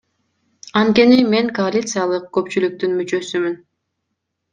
Анткени мен коалициялык көпчүлүктүн мүчөсүмүн.